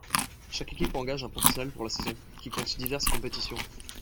Chaque équipe engage un professionnel pour la saison, qui compte diverses compétitions.